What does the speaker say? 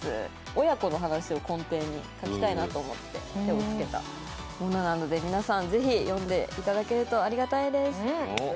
親子の話を根底に書きたいなと思って手をつけたものなので、皆さん、ぜひ読んでいただけるとありがたいです。